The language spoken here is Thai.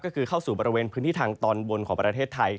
ก็คือเข้าสู่บริเวณพื้นที่ทางตอนบนของประเทศไทย